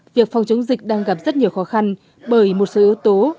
việc phòng chống dịch đang gặp rất nhiều khó khăn bởi một số yếu tố